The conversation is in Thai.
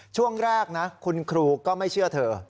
ช่วงแรกนะคุณครูก็ไม่เชื่อเธอ